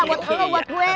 buat lu buat gue